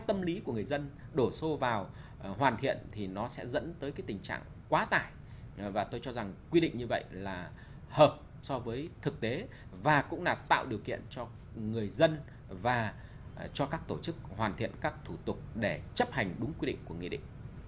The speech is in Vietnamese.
tâm lý của người dân đổ xô vào hoàn thiện thì nó sẽ dẫn tới cái tình trạng quá tải và tôi cho rằng quy định như vậy là hợp so với thực tế và cũng là tạo điều kiện cho người dân và cho các tổ chức hoàn thiện các thủ tục để chấp hành đúng quy định của nghị định